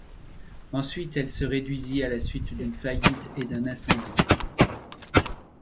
Ensuite elle se réduisit à la suite d'une faillite et d'un incendie.